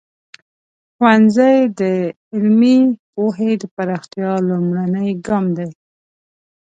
ښوونځی د علمي پوهې د پراختیا لومړنی ګام دی.